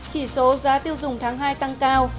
chỉ số giá tiêu dùng tháng hai tăng cao